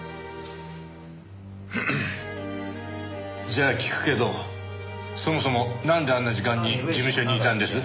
じゃあ聞くけどそもそもなんであんな時間に事務所にいたんです？